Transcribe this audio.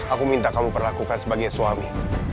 aku minta kamu perlakukan sebagai suami